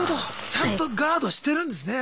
ちゃんとガードしてるんですね。